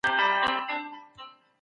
اوس په مياشت کې درې کتابونه چاپېږي.